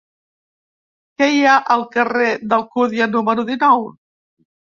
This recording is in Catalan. Què hi ha al carrer d'Alcúdia número dinou?